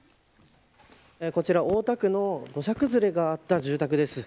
こちら、大田区の土砂崩れがあった住宅です。